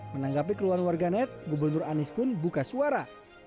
menanggapi keluhan warganet gubernur anies pun buka suara